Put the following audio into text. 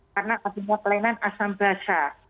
karena semua kelainan asam beratnya